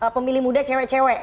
pemilih muda cewek cewek